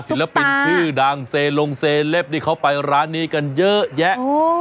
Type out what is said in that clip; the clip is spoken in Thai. ศิลปินชื่อดังเซลงเซเลปนี่เขาไปร้านนี้กันเยอะแยะ